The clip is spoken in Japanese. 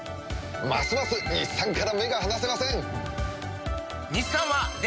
ますます日産から目が離せません！